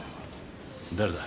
誰だ？